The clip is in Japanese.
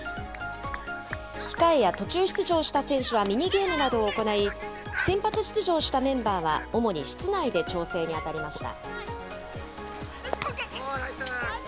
控えや途中出場した選手はミニゲームなどを行い、先発出場したメンバーは、主に室内で調整に当たりました。